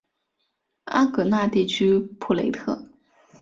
阿戈讷地区普雷特。